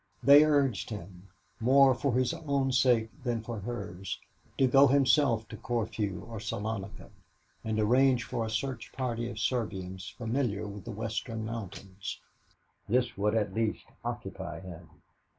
They urged him, more for his own sake than for hers, to go himself to Corfu or Salonika, and arrange for a search party of Serbians familiar with the western mountains. This would at least occupy him.